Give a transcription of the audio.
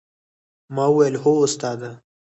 ما وويل هو استاده!